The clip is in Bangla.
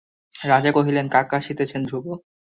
রাজা কহিলেন কাকা আসিতেছেন ধ্রুব।